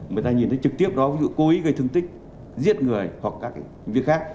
người ta nhìn thấy trực tiếp đó ví dụ cố ý gây thương tích giết người hoặc các việc khác